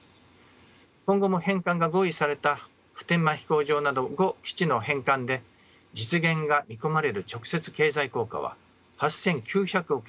今後も返還が合意された普天間飛行場など５基地の返還で実現が見込まれる直接経済効果は８，９００億円です。